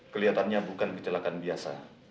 kelihatannya bukan kecelakaan biasa